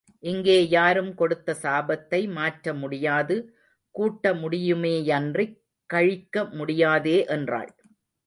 இங்கே யாரும் கொடுத்த சாபத்தை மாற்ற முடியாது, கூட்ட முடியுமேயன்றிக் கழிக்க முடியாதே என்றாள்.